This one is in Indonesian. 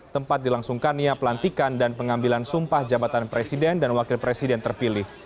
tempat dilangsungkannya pelantikan dan pengambilan sumpah jabatan presiden dan wakil presiden terpilih